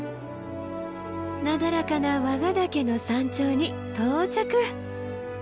なだらかな和賀岳の山頂に到着！